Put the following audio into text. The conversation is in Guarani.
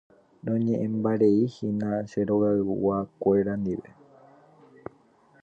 Roñe'ẽmbareihína che rogayguakuéra ndive.